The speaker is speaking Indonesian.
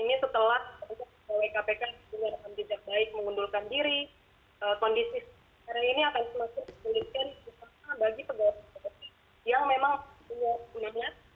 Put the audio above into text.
ini setelah kw kpk dengan ambil jadwal baik mengundurkan diri kondisi sekarang ini akan semakin berkembang bagi pegawai pegawai yang memang punya kemahian